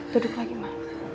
duduk lagi ma